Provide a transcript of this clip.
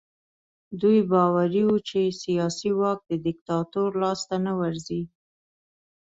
دوی باوري وو چې سیاسي واک د دیکتاتور لاس ته نه ورځي.